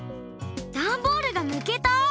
ダンボールがむけた！